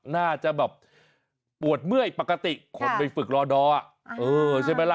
น่าจะแบบปวดเมื่อยปกติคนไปฝึกรอดอร์ใช่ไหมล่ะ